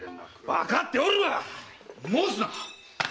わかっておるわ！申すな！